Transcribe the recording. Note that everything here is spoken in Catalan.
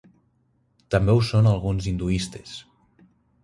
També ho són alguns hinduistes.